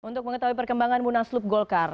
untuk mengetahui perkembangan munaslup golkar